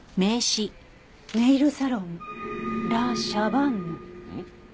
「ネイルサロンラ・シャヴァンヌ」ん？